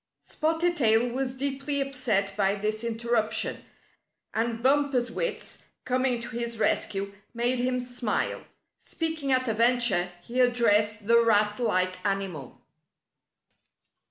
Spotted Tail was deeply upset by this inter ruption, and Bumper's wits, coming to his rescue, made him smile. Speaking at a venture, he ad dressed the rat like animal.